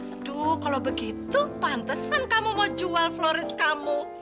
aduh kalau begitu pantesan kamu mau jual flores kamu